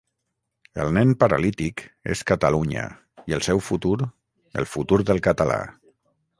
El nen paralític és Catalunya, i el seu futur, el futur del català.